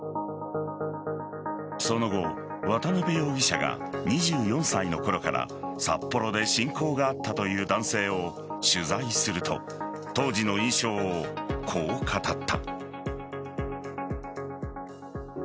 その後、渡辺容疑者が２４歳の頃から札幌で親交があったという男性を取材すると当時の印象をこう語った。